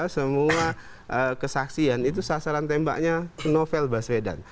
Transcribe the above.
semua kesaksian itu sasaran tembaknya novel bahasa beda